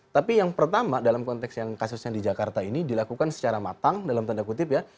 tapi yang pertama dalam konteks yang kasusnya di jakarta ini dilakukan secara matang dalam tanda kutip ya